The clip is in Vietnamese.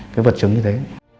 cái vật chứng như thế